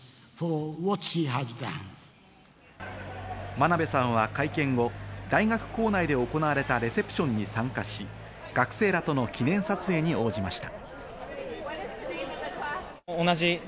真鍋さんは会見後、大学構内で行われたレセプションに参加し、学生らとの記念撮影に応じました。